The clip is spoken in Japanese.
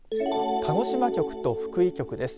鹿児島局と福井局です。